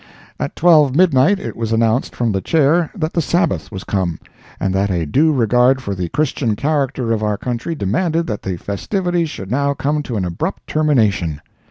At 12 midnight, it was announced from the chair that the Sabbath was come, and that a due regard for the Christian character of our country demanded that the festivities should now come to an abrupt termination.